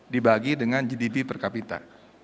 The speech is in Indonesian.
dibagi dengan gdp per kapita